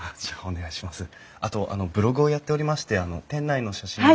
あとあのブログをやっておりまして店内の写真を。